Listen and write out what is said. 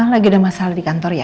lagi ada masalah di kantor ya